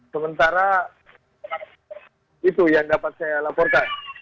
sementara itu yang dapat saya laporkan